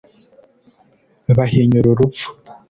bahinyura urupfu